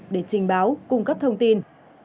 để trình báo cung cấp thông tin